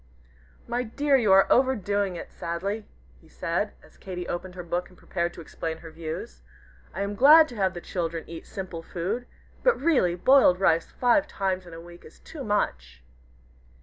"My dear, you are overdoing it sadly," he said, as Katy opened her book and prepared to explain her views; "I am glad to have the children eat simple food but really, boiled rice five times in a week is too much."